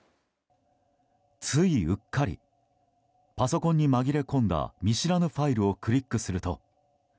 ついうっかりパソコンに紛れ込んだ見知らぬファイルをクリックすると。